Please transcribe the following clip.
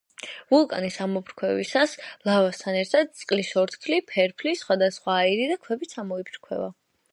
ვულკანის ამოფრქვევისას ლავასთან ერთად წყლის ორთქლი, ფერფლი, სხვადასხვა აირი და ქვებიც ამოიფრქვევა.